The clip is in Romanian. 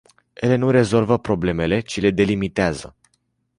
Ele nu rezolvă problemele, ci le delimitează.